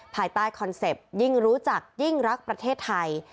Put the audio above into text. ภายใต้คอนเซ็ปต์ยิ่งรู้จักยิ่งรักประเทศไทย